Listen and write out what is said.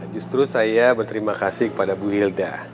justru saya berterima kasih kepada bu ilda